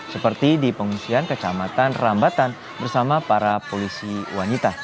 seperti di pengungsian kecamatan rambatan bersama para polisi wanita